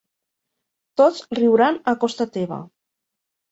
Tots riuran a costa teva.